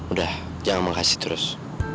udah jangan makasih terus